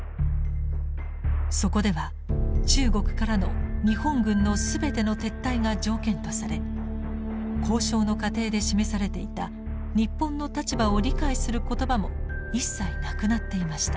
そこでは中国からの日本軍の全ての撤退が条件とされ交渉の過程で示されていた日本の立場を理解する言葉も一切なくなっていました。